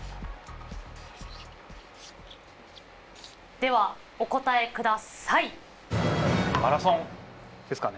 ではお答えください。ですかね。